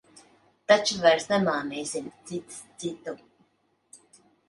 Taču vairs nemānīsim cits citu.